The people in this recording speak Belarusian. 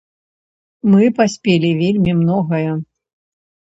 Мы паспелі вельмі многае.